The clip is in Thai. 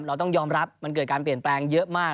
เราต้องยอมรับมันเกิดการเปลี่ยนแปลงเยอะมาก